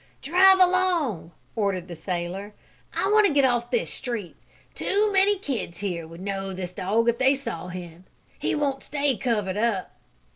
"Drive along!" ordered the sailor. "I want to get off this street. Too many kids here would know this dog if they saw him; he won't stay covered up!"